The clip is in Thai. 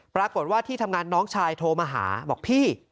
ปรากฏว่าที่ทำงานน้องชายโทรมาหาบอกพี่